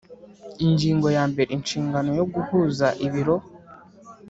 Ingingo ya mbere Inshingano yo guhuza ibiro